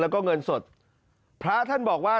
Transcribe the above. แล้วก็เงินสดพระท่านบอกว่า